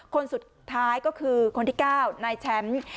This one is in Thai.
คนสุดท้ายก็คือคนที่๙นายแชมป์